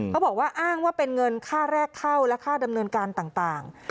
เขาบอกว่าอ้างว่าเป็นเงินค่าแรกเข้าและค่าดำเนินการต่าง